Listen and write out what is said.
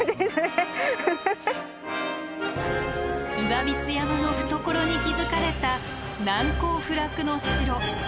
岩櫃山の懐に築かれた難攻不落の城。